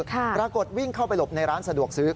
ปรากฏวิ่งเข้าไปหลบในร้านสะดวกซื้อ